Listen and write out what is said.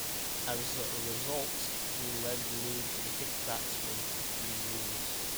As a result, he led the league in hit batsmen a few years.